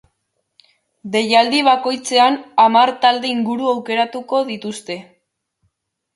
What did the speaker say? Deialdi bakoitzean hamar talde inguru aukeratuko dituzte.